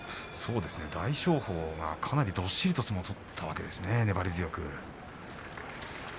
大翔鵬、かなりどっしりと相撲を取ったわけですね粘り強く。